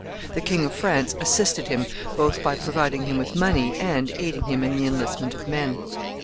The King of France assisted him both by providing him with money and aiding him in the enlistment of men.